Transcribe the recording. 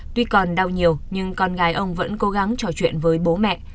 tuy còn đau nhiều nhưng con gái ông vẫn cố gắng trò chuyện với bố mẹ